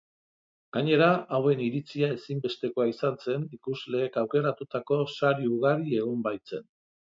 Gainera, hauen iritzia ezinbestekoa izan zen ikusleek aukeratutako sari ugari egon baitzen.